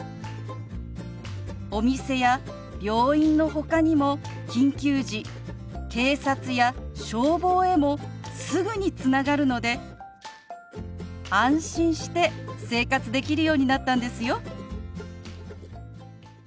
お店や病院のほかにも緊急時警察や消防へもすぐにつながるので安心して生活できるようになったんですよ。